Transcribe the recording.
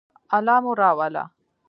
الله مو راوله